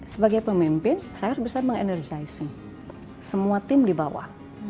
sebagai pemimpin saya harus bisa mengenergizing semua tim di bawah